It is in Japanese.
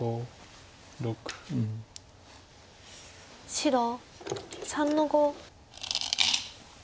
白３の五。